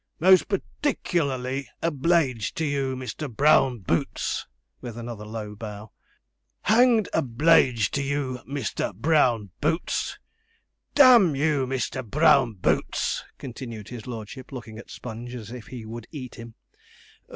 Most particklarly obl_e_ged to you, Mr. Brown Boots,' with another low bow. 'Hang'd obl_e_ged to you, Mr. Brown Boots! D n you, Mr. Brown Boots!' continued his lordship, looking at Sponge as if he would eat him.